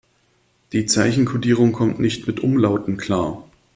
Die Zeichenkodierung kommt nicht mit Umlauten klar.